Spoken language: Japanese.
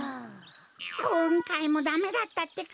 こんかいもダメだったってか！